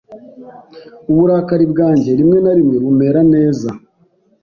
Uburakari bwanjye rimwe na rimwe bumera neza.